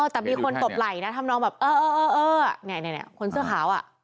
ตคมีคนปบไหล่ทำน้องแบบเอ่อคนเสื้อขาว